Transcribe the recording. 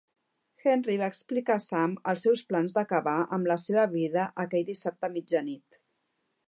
Henry va explicar a Sam els seus plans d'acabar amb la seva vida aquell dissabte a mitjanit.